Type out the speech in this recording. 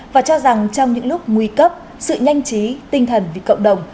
và cho rằng trong những lúc nguy cấp sự nhanh trí tinh thần vì cộng đồng